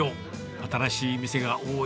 新しい店が多い